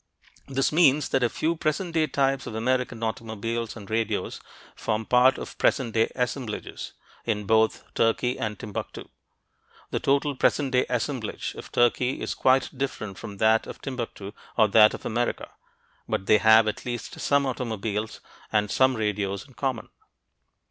This means that a few present day types of American automobiles and radios form part of present day "assemblages" in both Turkey and Timbuktu. The total present day "assemblage" of Turkey is quite different from that of Timbuktu or that of America, but they have at least some automobiles and some radios in common.